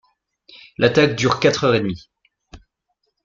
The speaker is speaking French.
L'attaque dure quatre heures et demie.